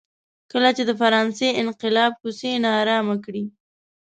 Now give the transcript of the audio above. کله چې د فرانسې انقلاب کوڅې نا ارامه کړې.